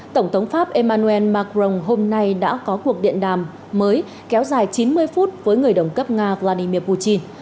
tổng thống pháp emmanuel macron hôm nay đã có cuộc điện đàm mới kéo dài chín mươi phút với người đồng cấp nga vladimir putin